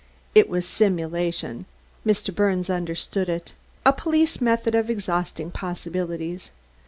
It was simulation; Mr. Birnes understood it; a police method of exhausting possibilities.